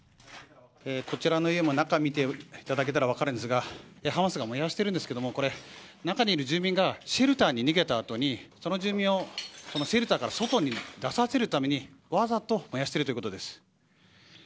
こちらの家も、中を見ていただけたら分かるんですがハマスが燃やしているんですが中にいる住民がシェルターに逃げたあとその住民をシェルターから外に出させるために、わざと燃やしているということです。